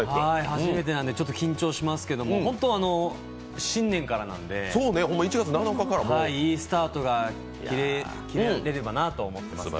初めてなんでちょっと緊張しますけども本当、新年からなのでいいスタートが切れればなと思ってます。